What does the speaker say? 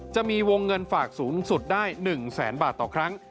จะมีวงเงินฝากสูงสุดได้๑แสนบาทต่อครั้ง